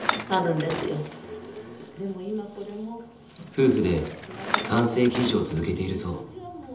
夫婦で半世紀以上続けているそう。